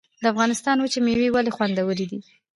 د افغانستان وچې میوې ولې خوندورې دي؟